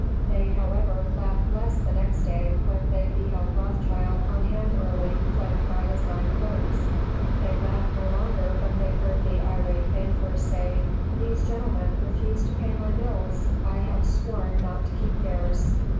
They, however, laughed less the next day when they beheld Rothschild on hand early, flanked by his nine clerks. They laughed no longer when they heard the irate banker say, "These gentlemen refused to pay my bills; I have sworn not to keep theirs.